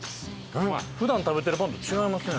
普段食べてるパンと違いますね。